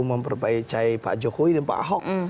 memperbaiki pak jokowi dan pak ahok